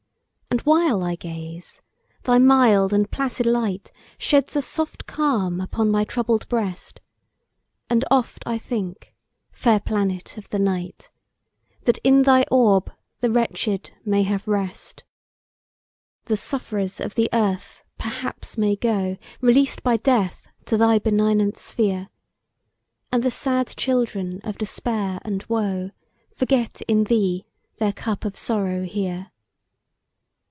And while I gaze, thy mild and placid light Sheds a soft calm upon my troubled breast; And oft I think fair planet of the night, That in thy orb, the wretched may have rest: The sufferers of the earth perhaps may go, Released by death to thy benignant sphere, And the sad children of despair and woe Forget in thee, their cup of sorrow here.